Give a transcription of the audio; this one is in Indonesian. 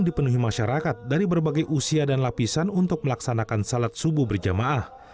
dipenuhi masyarakat dari berbagai usia dan lapisan untuk melaksanakan salat subuh berjamaah